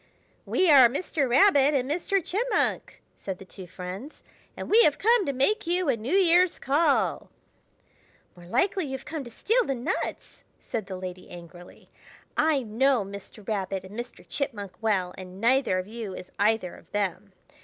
"We are Mr. Rabbit and Mr. Chipmunk," said the two friends, "and we have come to make you a New Year's call." "More likely you have come to steal the nuts!" said the lady angrily. "I know Mr. Rabbit and Mr. Chipmunk well, and neither of you is either of them.